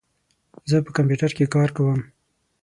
زه په کمپیوټر کې کار کوم.